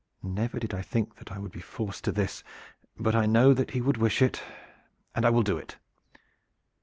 Never did I think that I would be forced to this, but I know that he would wish it, and I will do it."